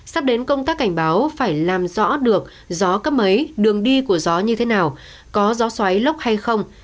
sắp đến công tác cảnh báo phải làm rõ được gió cấp ấy đường đi của gió như thế nào có gió xoáy lốc hay không